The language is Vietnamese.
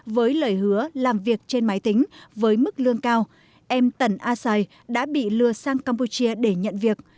với lời hứa làm việc trên máy tính với mức lương cao em tần a sài đã bị lừa sang campuchia để nhận việc